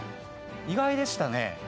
意外でした？